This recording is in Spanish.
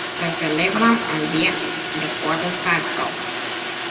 Se celebra el Día de Jueves Santo.